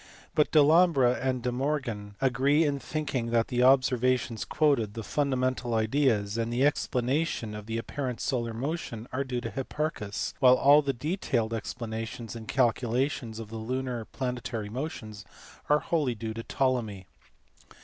But Delambre and De Morgan agree in thinking that the observations quoted, the fundamental ideas, and the explanation of the apparent solar motion are due to Hipparchus; while all the detailed explanations and calculations of the lunar and planetary motions are wholly due to Ptolemy.